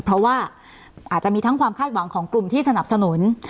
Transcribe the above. เพราะว่าอาจจะมีทั้งความคาดหวังของกลุ่มที่สนับสนุน